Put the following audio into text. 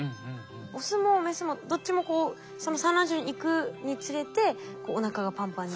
オスもメスもどっちもこうその産卵場に行くにつれておなかがパンパンに？